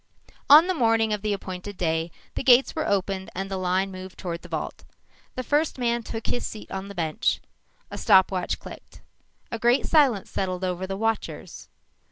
On the morning of the appointed day, the gates were opened and the line moved toward the vault. The first man took his seat on the bench. A stopwatch clicked. A great silence settled over the watchers.